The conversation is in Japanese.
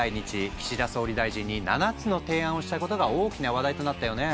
岸田総理大臣に７つの提案をしたことが大きな話題となったよね。